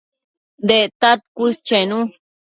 Dectad cuës chenu